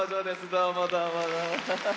どうもどうもどうも。